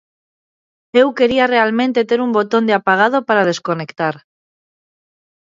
Eu quería realmente ter un botón de apagado para desconectar.